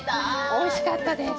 おいしかったです。